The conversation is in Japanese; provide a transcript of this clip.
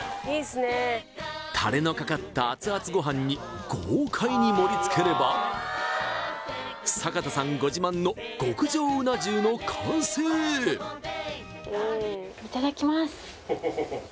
タレのかかった熱々ご飯に豪快に盛りつければさかたさんご自慢の極上うな重の完成いただきます